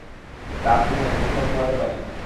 রাতে-দিনে কখনো ঘুমাতে পারি না।